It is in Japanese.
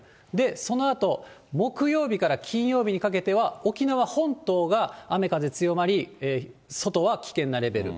そのあと、木曜日から金曜日にかけては、沖縄本島が雨風強まり、外は危険なレベル。